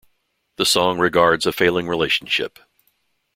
The song regards a failing relationship.